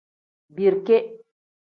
Birike.